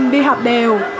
đi học đều